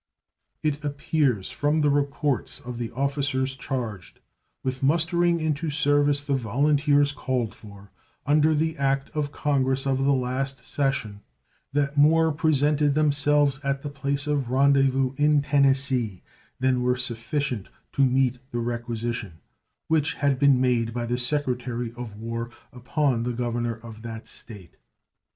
It appears from the reports of the officers charged with mustering into service the volunteers called for under the act of Congress of the last session that more presented themselves at the place of rendezvous in Tennessee than were sufficient to meet the requisition which had been made by the Secretary of War upon the governor of that State.